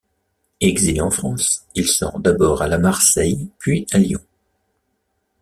Exilé en France, il se rend d'abord à Marseille puis à Lyon.